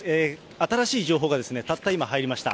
新しい情報がたった今入りました。